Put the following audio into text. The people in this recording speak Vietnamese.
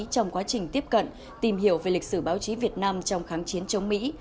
trong quá trình tiếp cận tìm hiểu về lịch sử báo chí việt nam trong kháng chiến chống mỹ